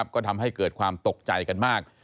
ก็ทำให้เกิดความตกใจกันมาก